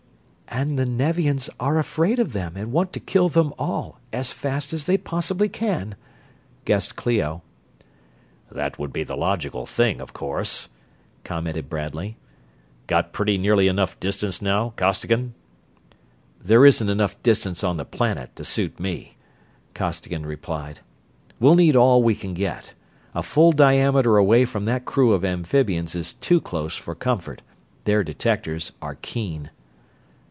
"And the Nevians are afraid of them, and want to kill them all, as fast as they possibly can," guessed Clio. "That would be the logical thing, of course," commented Bradley. "Got pretty nearly enough distance now, Costigan?" "There isn't enough distance on the planet to suit me," Costigan replied. "We'll need all we can get. A full diameter away from that crew of amphibians is too close for comfort their detectors are keen."